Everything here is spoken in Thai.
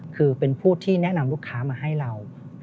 คือเป็นผู้ที่แนะนำลูกค้ามาให้เรา